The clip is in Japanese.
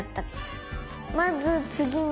「まず」「つぎに」